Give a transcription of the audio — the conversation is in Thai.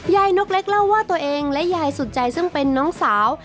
นกเล็กเล่าว่าตัวเองและยายสุดใจซึ่งเป็นน้องสาว